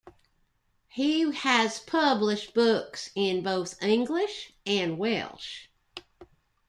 He has published books in both English and Welsh.